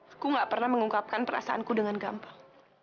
aku gak pernah mengungkapkan perasaanku dengan gampang